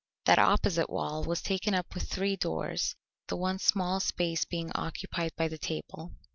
That opposite wall was taken up with three doors, the one small space being occupied by the table.